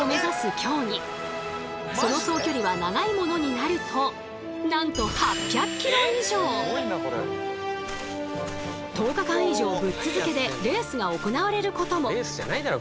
その総距離は長いものになるとなんと１０日間以上ぶっ続けでレースが行われることも。